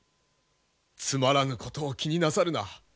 つまらぬことを気になさるな。